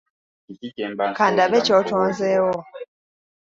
Kandabe ky'otonzeewo.